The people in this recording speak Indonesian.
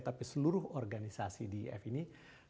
tapi seluruh organisasi di if ini